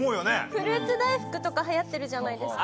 フルーツ大福とか流行ってるじゃないですか。